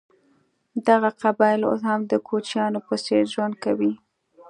دغه قبایل اوس هم د کوچیانو په څېر ژوند کوي.